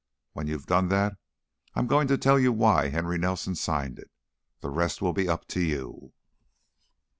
When you've done that, I'm going to tell you why Henry Nelson signed it. The rest will be up to you."